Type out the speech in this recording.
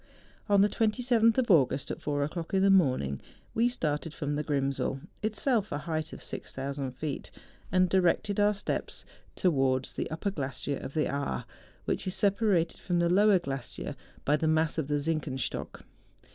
On the 27th of August, at four o'clock in the morning, we started from the Grimsel, itself a height of 6000 feet, and directed our steps tohvards THE JUNGFRAU. 63 the upper glacier of the Aar, which is separated from the lower glacier by the mass of the Zinken stock.